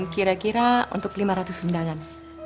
kira kira untuk lima ratus undangan